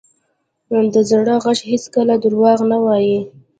د زړه ږغ هېڅکله دروغ نه وایي.